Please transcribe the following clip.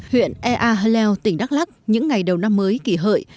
huyện ea hờ leo tỉnh đắk lắc những ngày đầu năm mới kỷ hợi